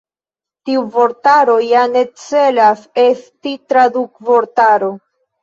Tiu vortaro ja ne celas esti tradukvortaro.